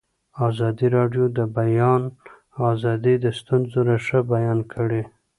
ازادي راډیو د د بیان آزادي د ستونزو رېښه بیان کړې.